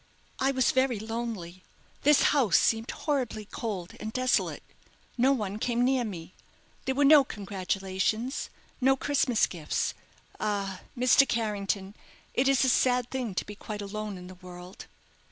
"I was very lonely; this house seemed horribly cold and desolate. No one came near me. There were no congratulations; no Christmas gifts. Ah! Mr. Carrington, it is a sad thing to be quite alone in the world."